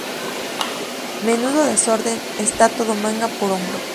Menudo desorden, está todo manga por hombro